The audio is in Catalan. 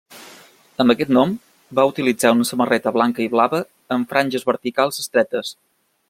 Amb aquest nom, va utilitzar una samarreta blanca i blava amb franges verticals estretes.